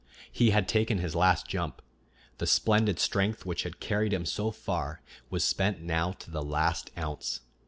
He had taken his last jump. The splendid strength which had carried him so far was spent now to the last ounce.